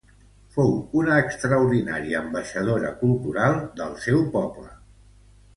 Fou una extraordinària ambaixadora cultural del seu poble.